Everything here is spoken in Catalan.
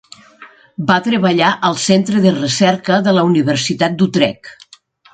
Va treballar al centre de recerca de la universitat d'Utrecht.